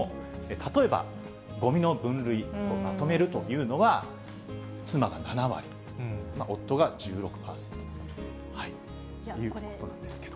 例えばごみの分類、まとめるというのは、妻が７割、夫が１６％ということなんですけど。